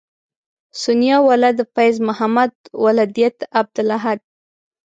سونیا ولد فیض محمد ولدیت عبدالاحد